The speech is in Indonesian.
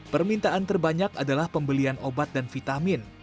permintaan terbanyak adalah pembelian obat dan vitamin